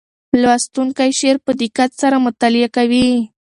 لوستونکی شعر په دقت سره مطالعه کوي.